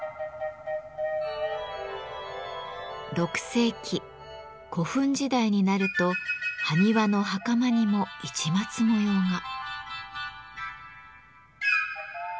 ６世紀古墳時代になると埴輪の袴にも市松模様が。